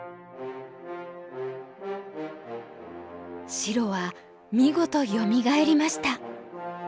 白は見事よみがえりました。